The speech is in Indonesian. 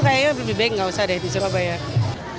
kayaknya lebih baik nggak usah deh di surabaya